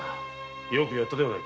よくやった。